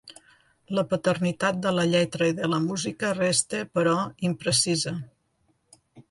La paternitat de la lletra i de la música resta, però, imprecisa.